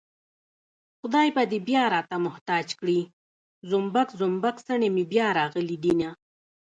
خدای به دې بيا راته محتاج کړي زومبک زومبک څڼې مې بيا راغلي دينه